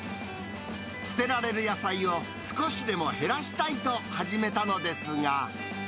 捨てられる野菜を少しでも減らしたいと始めたのですが。